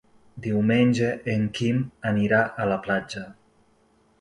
Diumenge en Quim anirà a la platja.